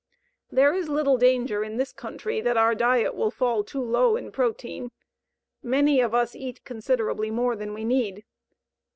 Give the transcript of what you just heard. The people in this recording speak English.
There is little danger in this country that our diet will fall too low in protein. Many of us eat considerably more than we need.